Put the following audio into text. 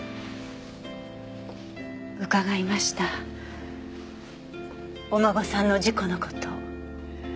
伺いましたお孫さんの事故の事。